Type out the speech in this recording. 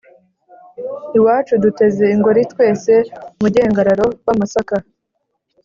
Iwacu duteze ingori twese.-Umugengararo w'amasaka.